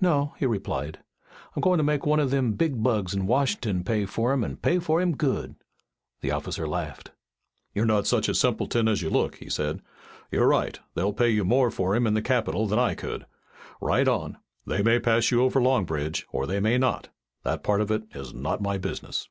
"No," he replied. "I'm goin' to make one o' them big bugs in Washin'ton pay fur him an' pay fur him good." The officer laughed. "You're not such a simpleton as you look," he said. "You're right. They'll pay you more for him in the capital than I could. Ride on. They may pass you over Long Bridge or they may not. That part of it is not my business."